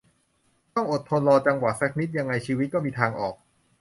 ต้องอดทนรอจังหวะสักนิดยังไงชีวิตก็มีทางออก